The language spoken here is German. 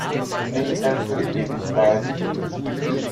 Nichts hält für die Ewigkeit.